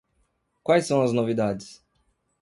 Quais são as novidades?